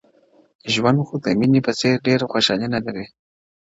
o ژوند خو د ميني په څېر ډېره خوشالي نه لري،